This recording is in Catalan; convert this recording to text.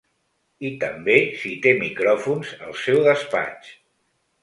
I també si té micròfons al seu despatx.